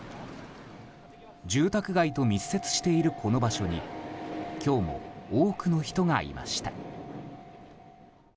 住宅街と密接しているこの場所に今日も多くの人がいました。